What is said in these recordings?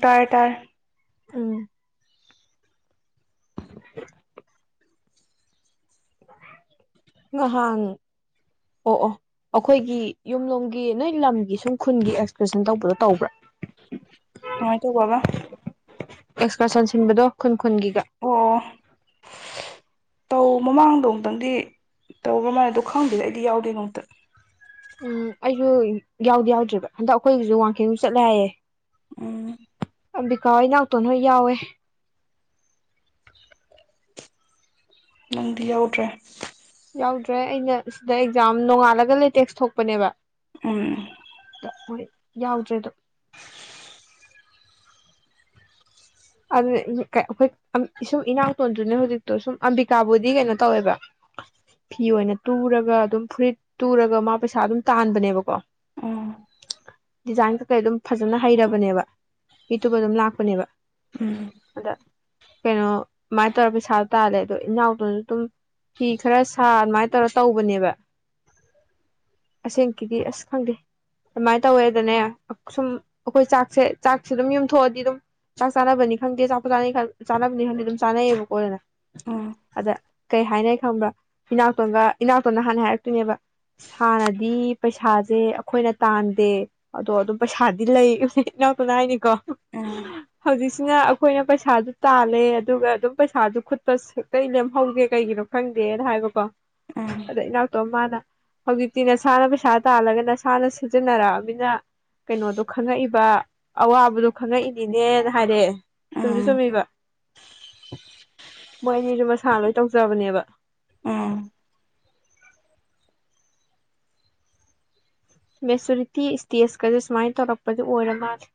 ꯇꯔ ꯇꯔ ꯎꯝ ꯉꯍꯥꯡ ꯑꯣ ꯑꯣ ꯑꯩꯈꯣꯏꯒꯤ ꯌꯨꯝꯂꯣꯝꯒꯤ ꯅꯣꯏ ꯂꯝꯒꯤ ꯁꯨꯝ ꯈꯨꯟꯒꯤ ꯑꯦꯛꯁꯀꯔꯁꯟ ꯇꯧꯕꯗꯣ ꯇꯧꯕ꯭ꯔꯥ ꯍꯥꯏ ꯇꯣ ꯀꯕꯥ ꯑꯦꯛꯁꯀꯔꯁꯟ ꯁꯤꯟꯕꯗꯣ ꯈꯨꯟꯒꯤꯒ ꯑꯣ ꯇꯧ ꯃꯃꯥꯡꯗꯣ ꯑꯃꯨꯛꯇꯪꯗꯤ ꯇꯧ꯭ꯔꯃꯥꯏꯅꯗꯣ ꯈꯪꯗꯦꯗ ꯑꯩꯗꯤ ꯌꯥꯎꯗꯦꯅ ꯑꯃꯨꯛꯇ ꯎꯝ ꯑꯩꯁꯨ ꯌꯥꯎꯗꯤ ꯌꯥꯎꯗ꯭ꯔꯤꯕ ꯍꯟꯗꯛ ꯑꯩꯈꯣꯏꯒꯤꯁꯨ ꯋꯥꯡꯈꯦꯝꯨ ꯆꯠꯂꯦ ꯍꯥꯏꯌꯦ ꯎꯝ ꯑꯝꯕꯤꯀꯥ ꯍꯣꯏ ꯏ ꯅꯥꯎꯛꯇꯣꯟ ꯅꯣꯏ ꯌꯥꯎꯋꯦ ꯅꯪꯗꯤ ꯌꯥꯎꯗ꯭ꯔꯦ ꯌꯥꯎꯗ꯭ꯔꯦ ꯑꯩꯅ ꯁꯤꯗ ꯑꯦꯛꯖꯥꯝ ꯅꯣꯡꯉꯥꯜꯂꯒ ꯂꯩꯇꯦꯛꯁ ꯊꯣꯛꯄꯅꯦꯕ ꯎꯝ ꯌꯥꯎꯗ꯭ꯔꯦ ꯑꯗꯨ ꯑꯗꯨꯅꯦ ꯏꯤꯡ ꯀ ꯑꯈꯣꯏ ꯁꯨꯝ ꯏꯁꯨꯝ ꯏꯅꯥꯎ ꯇꯣꯟꯗꯨꯅꯦ ꯍꯧꯖꯤꯛꯇꯣ ꯁꯨꯝ ꯑꯝꯕꯤꯀꯥꯕꯨꯗꯤ ꯀꯩꯅꯣ ꯇꯧꯋꯦꯕ ꯐꯤ ꯑꯣꯏꯅ ꯇꯨꯔꯒ ꯑꯗꯨꯝ ꯐꯨꯔꯤꯠ ꯇꯨꯔꯒ ꯃꯥ ꯄꯩꯁꯥ ꯑꯗꯨꯝ ꯇꯥꯟꯕꯅꯦꯕꯀꯣ ꯎꯝ ꯗꯤꯖꯥꯏꯟ ꯀꯀꯩ ꯑꯗꯨꯝ ꯐꯖꯅ ꯍꯩꯔꯕꯅꯦꯕ ꯃꯤꯇꯨꯕ ꯑꯗꯨꯝ ꯂꯥꯛꯄꯅꯦꯕ ꯎꯝ ꯑꯗ ꯀꯩꯅꯣ ꯑꯃꯥꯏ ꯇꯧꯔ ꯄꯩꯁꯥꯗꯣ ꯇꯥꯜꯂꯦ ꯑꯗꯣ ꯏꯅꯥꯎꯇꯣꯗꯨꯝ ꯐꯤ ꯈꯔ ꯁꯥ ꯑꯗꯨꯃꯥꯏ ꯇꯧꯔ ꯇꯧꯕꯅꯦꯕ ꯑꯁꯦꯡꯀꯤꯗꯤ ꯑꯁ ꯈꯪꯗꯦ ꯑꯃꯥꯏ ꯇꯧꯋꯦꯗꯅꯦ ꯁꯨꯝ ꯑꯩꯈꯣꯏ ꯆꯥꯛꯁꯦ ꯆꯥꯛꯁꯤ ꯗꯨꯝ ꯌꯨꯝꯊꯣꯛꯑꯗꯤ ꯑꯗꯨꯝ ꯆꯥꯁꯦ ꯆꯥꯅꯕꯅꯤ ꯈꯪꯗꯦ ꯑꯆꯥꯄꯣ ꯆꯥꯅꯤ ꯀꯥꯟ ꯆꯅꯕꯅꯤ ꯈꯪꯗꯦ ꯑꯗꯨꯝ ꯆꯥꯟꯅꯩꯌꯦꯕꯀꯣ ꯑꯗꯨꯅ ꯎꯝ ꯑꯗꯥ ꯀꯩ ꯍꯥꯏꯅꯩ ꯈꯪꯕ꯭ꯔꯥ ꯏꯅꯥꯎꯇꯣꯟꯒ ꯏꯅꯥꯎꯇꯣꯟꯅ ꯍꯥꯟꯅ ꯍꯥꯏꯔꯛꯇꯣꯏꯅꯦꯕ ꯁꯥꯔꯗꯤ ꯄꯩꯁꯥꯖꯦ ꯑꯈꯣꯏꯅ ꯇꯥꯟꯗꯦ ꯑꯗꯣ ꯑꯗꯨꯝ ꯄꯩꯁꯥꯗꯤ ꯂꯩ ꯏꯍ ꯏꯅꯥꯎꯇꯣꯟꯅ ꯍꯥꯏꯅꯤꯀꯣ ꯎꯝ ꯍꯧꯖꯤꯛꯁꯤꯅ ꯑꯈꯣꯏꯅ ꯄꯩꯁꯥꯗꯨ ꯇꯥꯜꯂꯦ ꯑꯗꯨꯒ ꯑꯗꯨꯝ ꯄꯩꯁꯥꯗꯨ ꯈꯨꯠꯄ ꯁꯨꯞꯂꯩ ꯂꯦꯝꯍꯧꯒꯦ ꯀꯩꯒꯤꯅꯣ ꯈꯪꯗꯦꯅ ꯍꯥꯏꯕꯀꯣ ꯎꯝ ꯑꯗ ꯏꯅꯥꯎ ꯇꯣ ꯃꯥꯅ ꯍꯧꯖꯤꯛꯇꯤ ꯅꯁꯥꯅ ꯄꯩꯁꯥ ꯇꯥꯜꯂꯒ ꯅꯁꯥꯅ ꯁꯤꯖꯤꯟꯅꯔꯛꯑꯃꯤꯅ ꯀꯩꯅꯣꯗꯣ ꯈꯪꯉꯛꯏꯕ ꯑꯋꯥꯕꯗꯣ ꯈꯪꯉꯛꯏꯅꯦ ꯅꯦ ꯅ ꯍꯥꯏꯔꯦ ꯆꯨꯝꯁꯨ ꯎꯝ ꯆꯨꯃꯤꯕ ꯃꯣꯏ ꯑꯅꯤꯖꯨ ꯃꯁꯥ ꯂꯣꯏ ꯇꯧꯖꯕꯅꯦꯕ ꯎꯝ ꯃꯦꯆꯣꯔꯤꯇꯤ ꯏꯁꯇꯦꯖꯀꯖꯨ ꯁꯨꯃꯥꯏꯟ ꯇꯧꯔꯛꯄꯗꯨ ꯑꯣꯏꯔ ꯃꯥꯜꯂꯦ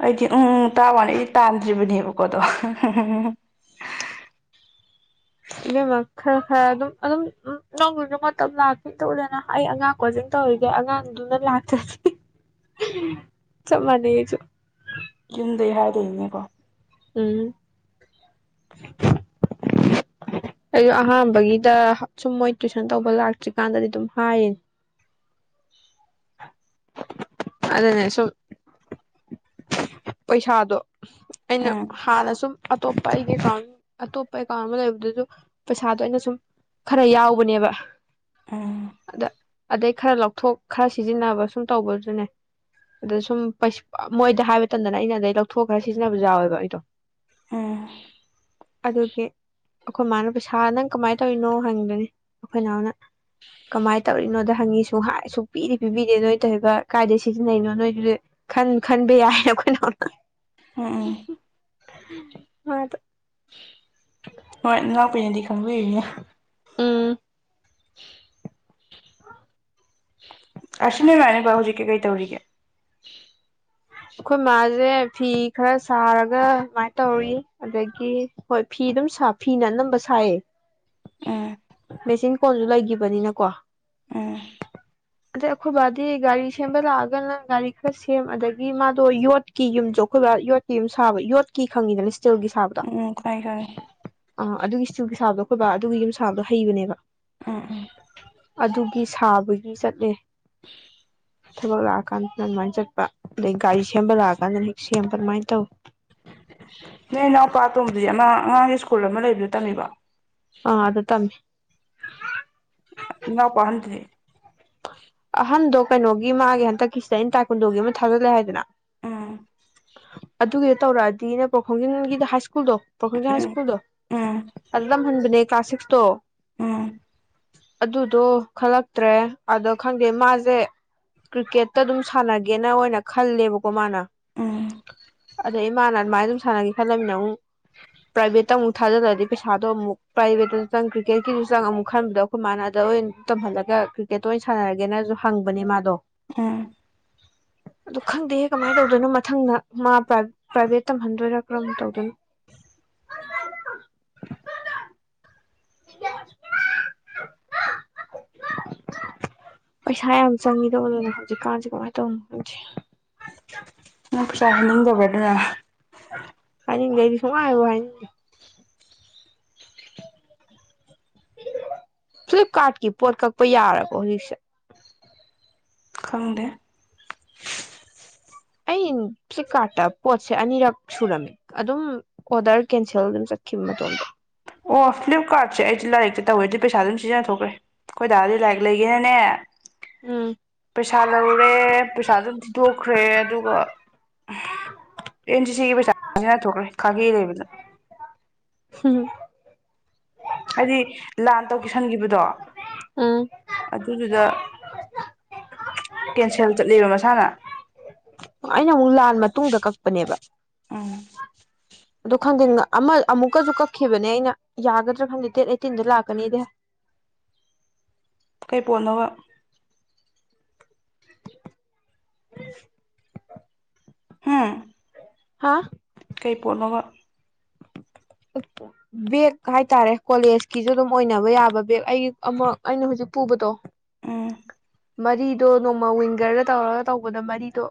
ꯑꯩꯗꯤ ꯎꯪ ꯎꯪ ꯇꯥ ꯋꯥꯅꯤ ꯑꯩꯗꯤ ꯇꯥꯟꯗ꯭ꯔꯤꯕꯅꯦꯕꯀꯣꯗꯣ ꯏꯁ ꯏꯕꯦꯝꯃꯥ ꯈꯔ ꯈꯔ ꯑꯗꯨꯝ ꯑꯗꯨꯝ ꯑꯝ ꯅꯪꯒꯤꯖꯨ ꯃꯇꯝ ꯂꯥꯛꯈꯤꯇꯧꯗꯅ ꯑꯩ ꯑꯉꯥꯡ ꯀꯣꯆꯤꯡ ꯇꯧꯔꯤꯒꯦ ꯑꯉꯥꯡꯗꯨꯅ ꯂꯥꯛꯇꯗꯤ ꯆꯞ ꯃꯥꯟꯅꯩ ꯑꯩꯖꯨ ꯌꯨꯝꯗꯩ ꯍꯥꯏꯗꯣꯏꯅꯤꯅꯦꯕꯣ ꯎꯝ ꯑꯩꯖꯨ ꯑꯍꯥꯟꯕꯒꯤꯗ ꯁꯨꯝ ꯃꯣꯏ ꯇꯨꯏꯁꯟ ꯇꯧꯕ ꯂꯥꯛꯇ꯭ꯔꯤꯀꯥꯟꯗꯗꯤ ꯑꯗꯨꯝ ꯍꯥꯏꯔꯤꯅꯦ ꯑꯗꯅꯦ ꯁꯨꯝ ꯄꯩꯁꯥꯗꯣ ꯑꯩꯅ ꯎꯝ ꯍꯥꯟꯅ ꯁꯨꯝ ꯑꯇꯣꯞꯄ ꯑꯩꯒꯤ ꯑꯦꯀꯥꯎꯟ ꯑꯇꯣꯞꯄ ꯑꯦꯀꯥꯎ ꯑꯃ ꯂꯩꯕꯗꯨꯖꯨ ꯄꯩꯁꯥꯗꯣ ꯑꯩꯅ ꯁꯨꯝ ꯈꯔ ꯌꯥꯎꯕꯅꯦꯕ ꯎꯝ ꯑꯗ ꯑꯗꯩꯒ ꯈꯔ ꯂꯧꯊꯣꯛ ꯈꯔ ꯁꯤꯖꯤꯟꯅꯕ ꯁꯨꯝ ꯇꯧꯕꯗꯨꯗꯅꯦ ꯑꯗ ꯁꯨꯝ ꯄꯩꯁ ꯄ ꯃꯣꯏꯗ ꯍꯥꯏꯕ ꯇꯟꯗꯅ ꯑꯩꯅ ꯑꯗꯩ ꯂꯧꯊꯣꯛꯑ ꯈꯔ ꯁꯤꯖꯤꯟꯅꯖꯨ ꯌꯥꯎꯋꯦꯕ ꯑꯩꯗꯣ ꯎꯝ ꯑꯗꯨꯒꯤ ꯑꯈꯣꯏ ꯃꯥꯅ ꯄꯩꯁꯥ ꯅꯪ ꯀꯃꯥꯏ ꯇꯧꯔꯤꯅꯣ ꯍꯪꯗꯣꯅꯤ ꯑꯩꯈꯣꯏ ꯅꯥꯎꯅ ꯀꯃꯥꯏꯟ ꯇꯧꯔꯤꯅꯣꯗ ꯍꯪꯉꯤ ꯁꯨ ꯍꯥꯏ ꯁꯨꯡ ꯄꯤꯗꯤ ꯄꯤꯕꯤꯗꯦ ꯅꯣꯏ ꯇꯧꯏꯕ ꯀꯥꯏꯗꯩ ꯁꯤꯖꯤꯟꯅꯩꯅꯣ ꯅꯣꯏꯗꯨꯗꯤ ꯈꯟ ꯈꯟꯕ ꯌꯥꯏ [inaudible] ꯍꯝ ꯍꯝ ꯎꯝ ꯎꯝ ꯃꯥꯗ ꯍꯣꯏ ꯅꯅꯥꯎꯄꯤꯅꯦꯗꯤ ꯈꯪꯕꯤꯔꯤꯅꯦ ꯎꯝ ꯍꯝ ꯑꯔꯁꯤ ꯅꯣꯏꯃꯥꯏꯕ ꯍꯧꯖꯤꯛꯀꯤ ꯀꯩ ꯇꯧꯔꯤꯒꯦ ꯑꯩꯈꯣꯏ ꯃꯥꯁꯦ ꯐꯤ ꯈꯔ ꯁꯥꯔꯒ ꯁꯃꯥꯏꯟ ꯇꯧꯔꯤ ꯑꯗꯒꯤ ꯍꯣꯏ ꯐꯤ ꯑꯗꯨꯝ ꯐꯤꯅ ꯑꯅꯝꯕ ꯁꯥꯏꯌꯦ ꯎꯝ ꯃꯦꯆꯤꯟ ꯀꯣꯜꯖꯨ ꯂꯩꯒꯤꯕꯅꯤꯅꯀꯣ ꯎꯝ ꯑꯗꯩ ꯑꯈꯣꯏ ꯕꯥꯗꯤ ꯒꯥꯔꯤ ꯁꯦꯝꯕ ꯂꯥꯛꯑꯒꯅ ꯒꯥꯔꯤ ꯈꯔ ꯁꯦꯝ ꯑꯗꯒ ꯗꯒꯤ ꯃꯥꯗꯣ ꯌꯣꯠꯀꯤ ꯌꯨꯝꯖꯣ ꯑꯩꯈꯣꯏ ꯕꯥ ꯌꯣꯠꯀꯤ ꯌꯨꯝ ꯁꯥꯕ ꯌꯣꯠꯀꯤ ꯈꯪꯉꯤꯗꯅ ꯏꯁꯇꯤꯜꯒꯤ ꯁꯥꯕꯗ ꯎꯝ ꯈꯪꯉꯦ ꯈꯪꯉꯦ ꯇꯣ ꯑ ꯑꯗꯨꯒꯤ ꯏꯁꯇꯤꯜꯒꯤ ꯁꯥꯕꯗꯣ ꯍꯣꯏꯕꯥ ꯑꯗꯨꯒꯤ ꯌꯨꯝꯁꯥꯡꯗꯣ ꯍꯩꯕꯅꯦꯕ ꯎꯝ ꯎꯝ ꯒꯤ ꯁꯥꯕꯒꯤ ꯆꯠꯂꯦ ꯊꯕꯛ ꯂꯥꯛꯑꯀꯥꯟꯗꯅ ꯑꯗꯨꯃꯥꯏꯅ ꯆꯠꯄ ꯑꯗꯩ ꯒꯥꯔꯤ ꯁꯦꯝꯕ ꯂꯥꯛꯑꯀꯥꯟꯗ ꯍꯦꯛ ꯁꯦꯝꯕ ꯑꯗꯨꯃꯥꯏꯅ ꯇꯧꯋ ꯅꯣꯏ ꯏꯅꯥꯎꯄꯥ ꯇꯣꯝꯕꯗꯤ ꯑꯟ ꯑꯉꯥꯡꯒꯤ ꯁ꯭ꯀꯨꯜ ꯑꯃ ꯂꯩꯕꯗꫭ ꯇꯝꯃꯤꯕ ꯑꯥ ꯑꯗꯨ ꯇꯝꯃꯤ ꯏꯅꯧꯄꯗꯦ ꯑꯍꯟꯗꯣ ꯀꯩꯅꯣꯒꯤ ꯃꯥꯒꯤ ꯍꯟꯗꯛꯀꯤꯁꯤꯗ ꯑꯩꯅ ꯇꯥꯏꯀꯨꯟꯗꯣꯒꯤ ꯑꯃ ꯊꯥꯖꯤꯜꯂꯦ ꯍꯥꯏꯗꯅ ꯑꯥ ꯑꯗꯨꯒꯤꯗꯣ ꯇꯧꯔꯛꯑꯗꯤ ꯏꯅ ꯄ ꯈꯣꯡꯖꯤꯟꯒꯤꯗ ꯁ꯭ꯀꯨꯜ ꯄꫭꯈꫭꯡꯖꯤꯡ ꯎꯝ ꯍꯥꯏꯁ꯭ꯀꯨꯜꯗ ꯎꯝ ꯑꯗ ꯇꯝ ꯍꯟꯕꯅꯦ ꯀ꯭ꯂꯥꯁ ꯁꯤꯛꯁꯇꯣ ꯎꯝ ꯑꯗꯨꯗꯣ ꯈꯜꯂꯛꯇ꯭ꯔꯦ ꯑꯗ ꯈꯪꯗꯦ ꯃꯥꯁꯦ ꯀ꯭ꯔꯤꯀꯦꯠꯇ ꯑꯗꯨꯝ ꯁꯥꯟꯅꯒꯦꯅ ꯑꯣꯏꯅ ꯈꯜꯂꯦꯕꯀꯣ ꯃꯥꯅ ꯎꯝ ꯑꯗꯩ ꯃꯥꯅ ꯑꯗꯨꯃꯥꯏꯅ ꯑꯗꯨꯝ ꯁꯥꯟꯅꯒꯈꯤ ꯈꯜꯂꯃꯤꯅ ꯑꯃꯨꯛ ꯄ꯭ꯔꯥꯏꯚꯦꯠꯇ ꯑꯃꯨꯛ ꯊꯥꯖꯗ꯭ꯔꯗꯤ ꯄꯩꯁꯥꯗꯣ ꯑꯃꯨꯛ ꯄ꯭ꯔꯥꯏꯚꯦꯠꯇꯁꯨ ꯆꯪ ꯀ꯭ꯔꯤꯀꯦꯠꯀꯤꯁꯨ ꯆꯪ ꯑꯃꯨꯛ ꯈꯟꯕꯗꯣ ꯑꯩꯈꯣꯏ ꯃꯥꯅꯗ ꯑꯣꯏꯅ ꯇꯝꯍꯜꯂꯒ ꯀ꯭ꯔꯤꯀꯦꯠꯇ ꯑꯣꯏꯅ ꯁꯥꯅꯔꯒꯦꯅꯁꯨ ꯍꯪꯕꯅꯦ ꯃꯥꯗꯣ ꯑꯥ ꯑꯗꯨ ꯈꯪꯗꯦ ꯀꯃꯥꯏꯅ ꯇꯧꯗꯣꯏꯅꯣ ꯃꯊꯪꯗ ꯃꯥ ꯄ꯭ꯔꯥꯏꯚꯦꯠ ꯇꯝꯍꯟꯗꯣꯏꯔꯥ ꯀꯔꯝ ꯇꯧꯗꯣꯏꯅꯣ ꯄꯩꯁꯥ ꯌꯥꯝ ꯆꯪꯉꯗꯧꯕꯅꯦꯅ ꯍꯧꯖꯤꯛꯀꯥꯟꯁꯦ ꯀꯃꯥꯏꯅ ꯇꯧꯕꯅꯣ ꯈꯪꯁꯦ ꯄꯩꯁꯥꯍꯥꯏꯅꯤꯡꯗꯕꯗꯨꯅ ꯍꯥꯏꯅꯤꯡꯗꯦ ꯑꯩ ꯁꯨꯡꯍꯥꯏꯕꯨ ꯍꯥꯏꯅꯤꯡꯗꫭ ꯐ꯭ꯂꯤꯞꯀꯥꯔꯠꯀꯤ ꯄꯣꯠ ꯀꯛꯄ ꯌꯥꯔꯕꯣ ꯍꯧꯖꯤꯛꯁꯦ ꯈꯪꯗꯦ ꯑꯩ ꯐ꯭ꯂꯤꯞ ꯀꯥꯔꯠꯇ ꯄꯣꯠꯁꯦ ꯑꯅꯤꯔꯛ ꯁꯨꯔꯝꯃꯤ ꯑꯗꯨꯝ ꯑꯣꯗꯔ ꯀꯦꯟꯁꯦꯜ ꯑꯗꯨꯝ ꯆꯠꯈꯤꯕ ꯃꯇꯣꯝꯗ ꯑꯣ ꯐ꯭ꯂꯤꯞꯀꯥꯔꯠꯁꯦ ꯑꯩꯗꯤ ꯂꯥꯏꯔꯤꯛꯇ ꯇꯧꯋꯦ ꯑꯗꯨꯗꯤ ꯄꯩꯁꯥ ꯑꯗꯨꯝ ꯁꯤꯖꯤꯟꯅꯊꯣꯛꯈ꯭ꯔꯦ ꯈꯣꯏꯗꯥꯔꯗꯤ ꯂꯥꯏꯔꯤꯛ ꯂꯩꯒꯦꯅꯅꯦ ꯎꯝ ꯄꯩꯁꯥ ꯂꯧꯔꯦ ꯄꯩꯁꯥ ꯑꯗꯨꯝ ꯊꯤꯗꯣꯛꯈ꯭ꯔꯦ ꯑꯗꯨꯒ ꯑꯦꯟ ꯁꯤ ꯁꯤ ꯊꯣꯛꯈ꯭ꯔꯦ ꯈꯥꯒꯦ ꯂꯩꯕꯗ ꯍꯝ ꯍꯥꯏꯗꯤ ꯂꯥꯟ [inaudible] ꯊꯟꯈꯤꯕꯗꯣ ꯎꯝ ꯑꯗꯨꯗꯨꯗ ꯀꯦꯟꯁꯦꯜ ꯆꯠꯂꯦꯕ ꯃꯁꯥꯅ ꯑꯩꯅ ꯑꯃꯨꯛ ꯂꯥꯟ ꯃꯇꯨꯡꯗ ꯎꯝ ꯑꯗꯨ ꯈꯪꯗꯦ ꯑꯃ ꯑꯃꯨꯛꯀꯁꯨ ꯀꯛꯈꯤꯕꯅꯦ ꯑꯩꯅ ꯌꯥꯒꯗ꯭ꯔꯥ ꯈꯪꯗꯦ ꯗꯦꯠ ꯑꯩꯠꯇꯤꯟꯗ ꯂꯥꯛꯀꯅꯤꯗꯤ ꯀꯩ ꯄꯣꯠꯅꫭꯕ [inaudible] ꯍꯥꯝ ꯍꯥꯥ ꯀꯩ ꯄꯣꯠꯅꯥꯕ ꯕꯦꯒ ꯍꯥꯏꯇꯥꯔꯦ ꯀꯣꯂꯦꯖꯀꯤꯁꯨ ꯑꯗꯨꯝ ꯑꯣꯏꯅꯕ ꯌꯥꯕ ꯕꯦꯒ ꯑꯩ ꯑꯃꯛ ꯑꯩꯅ ꯍꯧꯖꯤꯛ ꯄꯨꯕꯗꯣ ꯎꯝ ꯃꯔꯤꯗꯣ ꯅꯣꯡꯃ ꯋꯤꯡꯒꯔꯗ ꯇꯧꯔꯒ ꯇꯧꯕꯗ ꯃꯔꯤꯗꯣ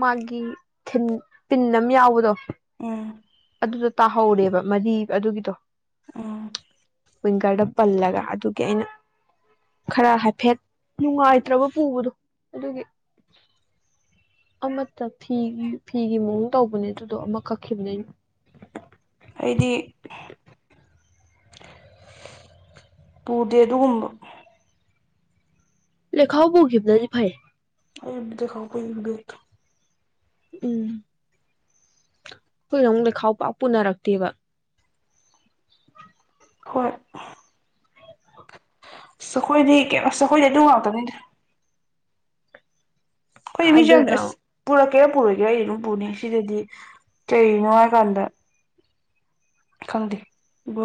ꯃꯥꯒꯤ ꯄꯤꯟ ꯑꯃ ꯌꯥꯎꯕꯗꯣ ꯑ ꯑꯗꯨꯗꯣ ꯇꯥꯍꯧꯔꯦꯕ ꯃꯔꯤ ꯑꯗꯨꯒꯤꯗꯣ ꯎꯝ ꯋꯤꯡꯒꯔꯗ ꯄꯜꯂꯒ ꯑꯗꯨꯒꯤ ꯑꯩꯅ ꯈꯔ ꯍꯥꯏꯐꯦꯠ ꯅꯨꯡꯉꯥꯏꯇ꯭ꯔꯕ ꯄꯨꯕꯗꯣ ꯑꯗꯨꯒꯤ ꯑꯃꯠꯇ ꯐꯤ ꯐꯤꯒꯤ ꯃꯑꯣꯡ ꯇꯧꯕꯅꯦ ꯑꯗꯨꯗꯣ ꯑꯃ ꯀꯛꯈꯤꯕꯅꯦ ꯑꯩꯅ ꯑꯩꯗꯤ ꯄꯨꯗꯦ ꯑꯗꯨꯒꯨꯝꯕ ꯂꯦ ꯈꯥꯎꯕꯨꯈꯤꯕꯅꯗꯤ ꯐꯩꯌꯦ ꯦꯝꯗꯤ ꯈꯗꯠꯇ ꯎꯝ ꯑꯩꯈꯣꯏ ꯅ ꯑꯃꯨꯛꯗ ꯈꯥꯎ ꯄꯥꯛ ꯄꯨꯅꯔꯛꯇꯦꯕ ꯍꯣꯏ ꯁꯈꯣꯏꯗꯤ ꯀꯩꯅꯣ ꯁꯈꯣꯏꯗꯦ ꯑꯗꯨꯨꯡ ꯉꯥꯎꯗꯅꯤꯗ ꯍꯣꯏ ꯏꯃꯤꯖ ꯑꯗꯨꯒ ꯄꯨꯔꯥ ꯀꯌꯥ ꯄꯨꯔꯣꯏꯒꯦ ꯑꯩ ꯑꯗꯨꯝ ꯄꯨꯅꯤ ꯁꯤꯗꯗꯤ ꯀꯩꯅꯣ ꯍꯥꯏꯀꯥꯟꯗ ꯈꯜꯗꯤ ꯑꯗꯨ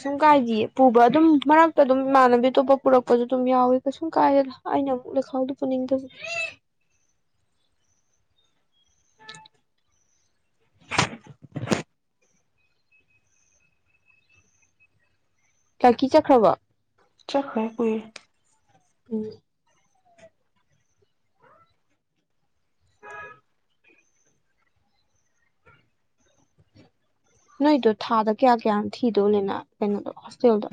ꯀꯩꯁꯨꯝ ꯀꯥꯏꯗꯌꯦ ꯄꯨꯕ ꯑꯗꯨꯝ ꯃꯔꯛꯇ ꯑꯗꯨꯝ ꯏꯃꯥꯟꯅꯕꯤ ꯑꯇꯣꯞꯄ ꯄꯨꯔꯛꯄꯁꯨ ꯑꯗꯨꯝ ꯌꯥꯎꯏꯦ ꯀꯩꯁꯨꯝ ꯀꯥꯏꯗꯦ ꯑꯩꯅ ꯑꯃꯨꯛ ꯂꯩꯈꯥꯎꯗꯨ ꯄꯨꯅꯤꯡꯗꯁ ꯀꯀꯤ ꯆꯠꯈ꯭ꯔꯕ ꯆꯥꯛ ꯍ ꯎꯏ ꯎꯝ ꯅꯣꯏꯗꯣ ꯊꯥꯗ ꯀꯌꯥ ꯀꯌꯥ ꯊꯤꯗꯣꯂꯤꯅ ꯀꯩꯅꯣꯗꯣ ꯍꯣꯁꯇꯦꯜꯗꯣ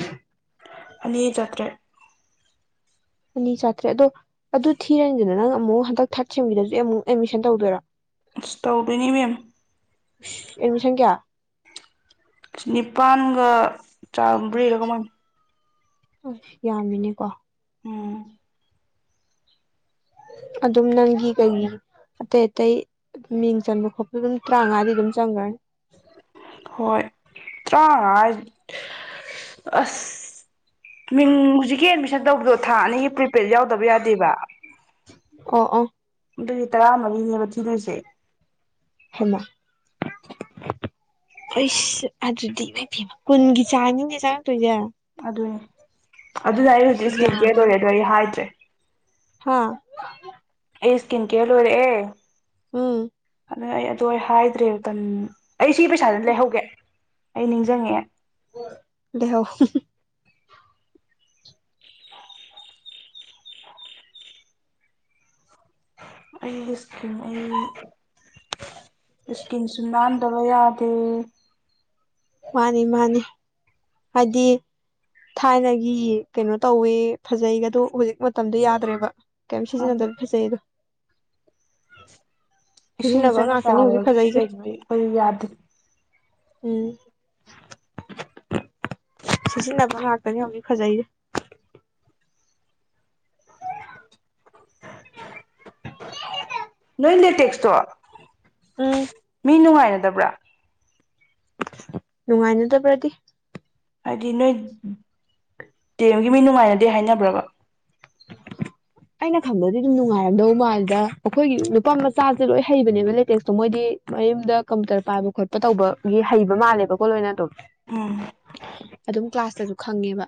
ꯑꯅꯤ ꯌꯥꯖꯇ꯭ꯔꯦ ꯑꯅꯤ ꯆꯥꯇ꯭ꯔꯦ ꯑꯗꯣ ꯑꯗꯨ ꯊꯤꯔꯅꯤꯗꯨꯅ ꯅꯪ ꯑꯃꯨꯛ ꯍꯟꯗꯛ ꯊꯥꯔꯠ ꯁꯦꯕꯤꯗꯁꯨ ꯑꯃꯨꯛ ꯑꯦꯗꯃꯤꯁꯟ ꯇꯧꯗꯣꯏꯔꯣ ꯁꯇꯧꯕꯤꯅꯤꯕꯦꯝ ꯑꯦꯗꯃꯤꯁꯟ ꯀꯌꯥ ꯅꯤꯄꯜꯒ ꯆꯥꯕꯔꯤꯔ ꯀꯥꯏꯅꯤ ꯑ ꯌꯥꯝꯃꯤꯅꯦꯀꯣ ꯎꯝ ꯑꯗꯨꯝ ꯅꯪꯒꯤ ꯀꯩ ꯑꯇꯩ ꯑꯇꯩ ꯃꯤꯡ ꯆꯟꯕ ꯈꯣꯠꯄ ꯑꯗꯨꯝ ꯇꯔꯥꯃꯉꯥꯗꯤ ꯑꯗꯨꯝ ꯆꯪꯈ꯭ꯔꯅꯤ ꯍꯣꯏ ꯇꯔꯥꯃꯉꯥ ꯑꯁ ꯃꯤꯡ ꯍꯧꯖꯤꯛꯀꯤ ꯑꯦꯠꯃꯤꯁꯟ ꯇꯧꯕꯗꯣ ꯊꯥ ꯑꯅꯤꯒꯤ ꯄ꯭ꯔꯤꯄꯦꯗ ꯌꯥꯎꯗꯕ ꯌꯥꯗꯦꯕ ꯑ ꯑ ꯑꯗꯨꯒꯤ ꯇꯔꯥꯃꯔꯤꯅꯦꯕ ꯊꯤꯗꯣꯏꯁꯦ ꯍꯃꯁ ꯑꯗꯨꯗꯤ ꯂ ꯄꯤ ꯀꯨꯟꯒꯤ ꯆꯥꯡꯅꯤꯅꯦꯦ ꯆꯥꯉꯛꯇꯣꯏꯁꯦ ꯑꯗꯨꯗꯋꯦ ꯑꯗꯨꯗ ꯑꯩ ꯍꯧꯖꯤꯛ ꯏꯁꯀꯤꯟ ꯀꯦꯌꯔ ꯑꯣꯏꯔꯦꯗꯣ ꯑꯩ ꯍꯥꯏꯗ꯭ꯔꯦ ꯍꯥꯥ ꯑꯩ ꯏꯁꯀꯤꯟ ꯀꯦꯌꯔ ꯑꯣꯏꯣꯏꯔꯦ ꯎꯝ ꯑꯗꯨ ꯑꯩ ꯑꯗꯨ ꯑꯩ ꯍꯥꯏꯗ꯭ꯔꯦ ꯃꯇꯝ ꯑꯩ ꯁꯤ ꯄꯩꯁꯥꯗ ꯂꯩꯍꯧꯒꯦ ꯑꯩ ꯅꯤꯡꯁꯤꯡꯉꯛꯑꯦ ꯗꯍꯣ ꯑꯩꯒꯤ ꯏꯁꯀꯤꯟ ꯑꯩ ꯏꯁꯀꯤꯟꯁꯨ ꯅꯥꯟꯗꯕ ꯌꯥꯗꯦ ꯃꯥꯅꯤ ꯃꯥꯅꯤ ꯍꯥꯏꯗꯤ ꯊꯥꯏꯅꯒꯤ ꯀꯩꯅꯣ ꯇꯧꯋꯦ ꯐꯖꯩꯒ ꯑꯗꯨ ꯍꯧꯖꯤꯛ ꯃꯇꯝꯗꯣ ꯌꯥꯗ꯭ꯔꯦꯕ ꯀꯝꯁꯤꯁꯤꯅ ꯗ ꯐꯁꯦꯩꯣ ꯁꯤꯖꯤꯟꯅꯕ ꯏꯁꯤꯡꯁꯤꯅ ꯉꯥꯛꯇꯅꯤ ꯍꯧꯖꯤꯛ ꯇꯥꯔꯒꯤ ꯐꯖꯩꯁꯦ ꯀꯩ ꯑꯩꯈꯣꯏ ꯌꯥꯗꯦ ꯎꯝ ꯁꯤꯖꯤꯟꯅꯕ ꯉꯥꯛꯇꯅꯤ ꯍꯧꯅꯤ ꯐꯖꯩꯁꯦ ꯅꯣꯏ ꯗ ꯇꯦꯛꯁꯇꯣ ꯎꯝ ꯃꯤ ꯅꯨꯡꯉꯥꯏꯅ ꯌꯥꯥꯗꯕ꯭ꯔꯥ ꯅꯨꯡꯉꯥꯏꯅꯗꯕ꯭ꯔꯗꯤ ꯍꯥꯏꯗꯤ ꯅꯣꯏ ꯗꯦꯝꯒꯤ ꯃꯤ ꯅꯨꯡꯉꯥꯏꯅꯗꯦ ꯍꯥꯏꯅꯕ꯭ꯔꯕ ꯑꯩꯅ ꯈꯪꯕꯗꯤ ꯑꯗꯨꯝ ꯅꯨꯡꯉꯥꯏꯔꯝꯗꯧ ꯃꯥꯜꯗ ꯑꯈꯣꯏꯒꯤ ꯅꯨꯄꯥ ꯃꯆꯥꯁꯦ ꯂꯣꯏ ꯍꯩꯕꯅꯦꯕ ꯂꯦꯇꯦꯁꯇꯣ ꯃꯣꯏꯗꯤ ꯃꯌꯨꯝꯗ ꯀꯝꯄꯨꯇꯔ ꯄꯥꯏꯕ ꯈꯣꯠꯄ ꯇꯧꯕꯒꯤ ꯍꯩꯕ ꯃꯥꯜꯂꯦꯕꯀꯣ ꯂꯣꯏꯅ ꯑꯗꯨꯝ ꯎꯝ ꯑꯗꯨꯝ ꯀ꯭ꯂꯥꯁꯇꯁꯨ ꯈꯪꯉꯦꯕ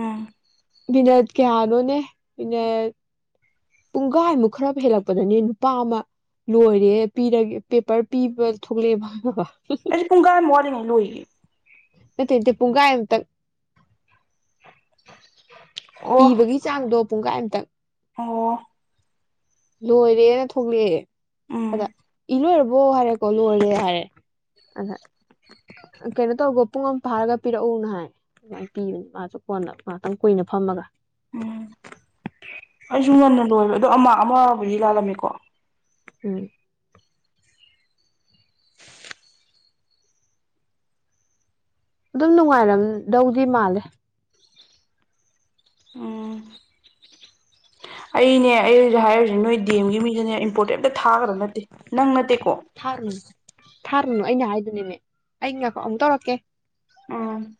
ꯎꯝ ꯃꯤꯅꯠ ꯀꯌꯥꯅꯣꯅꯦ ꯃꯤꯅꯠ ꯄꯨꯡꯒꯥꯏꯃꯨꯛ ꯈꯔ ꯍꯦꯜꯂꯛꯄꯗꯅꯦ ꯅꯨꯄꯥ ꯑꯃ ꯂꯣꯏꯔꯦ ꯄꯤꯔ ꯄꯦꯄꯔ ꯄꯤꯕ ꯊꯣꯛꯂꯛꯑꯦꯕ ꯑꯗꯤ ꯄꯨꯡꯒꯥꯥꯏ ꯑꯃ ꯋꯥꯠꯂꯤꯉꯩ ꯂꯣꯏꯌꯦ ꯄꯨꯒꯥꯏꯝꯇꯪ ꯑꯣ ꯏꯕꯒꯤ ꯆꯥꯡꯗꯣ ꯄꯨꯡꯒꯥꯏ ꯑꯝꯇꯪ ꯑꯣ ꯂꯣꯏꯔꯦꯅ ꯊꯣꯂꯛꯑꯦ ꯎꯝ ꯑꯗ ꯏꯂꯣꯏꯔ ꯕꯣ ꯍꯥꯏꯔꯦꯀꯣ ꯂꯣꯏꯔꯦ ꯍꯥꯏꯔꯦ ꯑꯗ ꯀꯩꯅꯣ ꯇꯧꯒꯣ ꯄꯨꯡ ꯑꯃ ꯐꯥꯔꯒ ꯄꯤꯔꯛꯎꯅ ꯍꯥꯏ ꯑꯗꯨꯃꯥꯏꯅ ꯄꯤꯕꯅꯤ ꯃꯥꯁꯨ ꯀꯣꯟꯅ ꯉꯍꯥꯛꯇꯪ ꯀꯨꯏꯅ ꯐꯝꯃꯒ ꯎꯝ ꯑꯩꯁꯨ ꯉꯟꯅ ꯂꯣꯏꯕ ꯑꯗꯣ ꯑꯃ ꯑꯃꯕꯨꯗꯤ ꯂꯥꯜꯂꯝꯃꯦꯀꯣ ꯎꯝ ꯑꯗꯨꯝ ꯅꯨꯡꯉꯥꯏꯔꯝꯗꯧꯗꯤ ꯃꯥꯜꯂꯦ ꯎꯝ ꯑꯩꯅꯦ ꯑꯩ ꯍꯧꯖꯤꯛ ꯍꯥꯏꯔꯤꯁꯤ ꯅꯣꯏ ꯗꯤ ꯑꯦꯝꯒꯤ ꯃꯤꯗꯤꯅꯦ ꯏꯝꯄꯣꯔꯇꯦꯟ ꯑꯝ ꯊꯥꯒꯗꯕ ꯅꯠꯇꯦ ꯅꯪ ꯅꯠꯇꯦꯀꯣ ꯊꯥꯔꯨꯅꯨ ꯊꯥꯔꯨꯅꯨ ꯑꯩꯅ ꯍꯥꯏꯗꯨꯅꯤꯃꯤ ꯑꯩ ꯉ ꯑꯃꯨꯛ ꯇꯧꯔꯛꯀꯦ ꯎꯝ